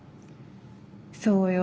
そうよ。